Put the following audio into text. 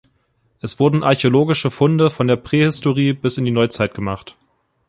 Es wurden archäologische Funde von der Prähistorie bis in die Neuzeit gemacht.